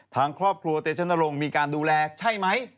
ทางครอบครัวเตชนรงค์มีการดูแลใช่ไหม